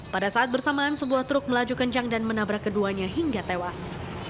pada saat bersamaan sebuah truk melaju kencang dan menabrak keduanya hingga tewas